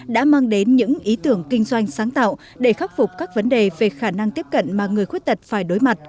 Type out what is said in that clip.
đã mang đến những ý tưởng kinh doanh sáng tạo để khắc phục các vấn đề về khả năng tiếp cận mà người khuyết tật phải đối mặt